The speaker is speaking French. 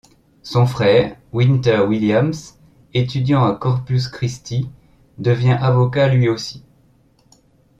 Son frère, Winter Williams, étudiant à Corpus Christi devient avocat lui aussi.